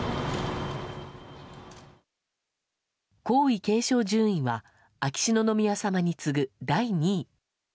皇位継承順位は秋篠宮さまに次ぐ第２位。